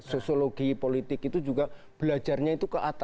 sosiologi politik itu juga belajarnya itu